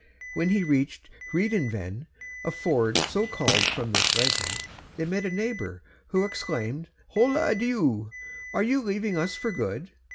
When he reached Rhyd y Fen, a ford so called from this legend, they met a neighbour, who exclaimed, 'Holo, Dewi, are you leaving us for good?'